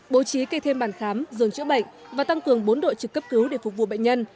bố trí cây thêm bàn khám dường chữa bệnh và tăng cường bốn đội trực cấp cứu để phục vụ bệnh nhân